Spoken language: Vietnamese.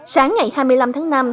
sáng ngày hai mươi năm tháng năm